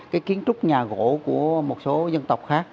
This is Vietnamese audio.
cái kiến trúc nhà gỗ của một số dân tộc khác